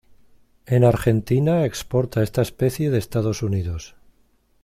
En Argentina exporta esta especie de Estados Unidos.